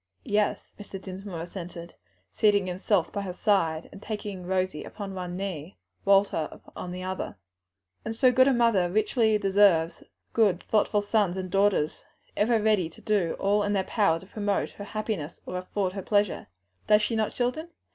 "Yes," Mr. Dinsmore assented, seating himself by her side and taking Rosie upon one knee, Walter on the other; "and so good a mother richly deserves good, thoughtful sons and daughters, ever ready to do all in their power to promote her happiness, or afford her pleasure. Does she not, children?"